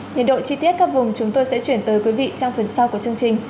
nhiệt độ chi tiết các vùng chúng tôi sẽ chuyển tới quý vị trong phần sau của chương trình